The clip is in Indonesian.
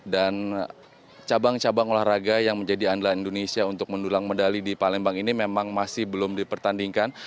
dan cabang cabang olahraga yang menjadi andalan indonesia untuk mendulang medali di palembang ini memang masih belum dipertandingkan